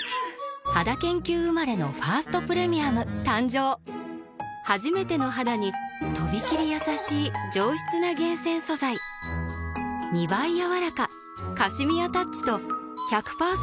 肌研究生まれの「ファーストプレミアム」誕生はじめての肌にとびきりやさしい上質な厳選素材２倍やわらかカシミヤタッチと１００％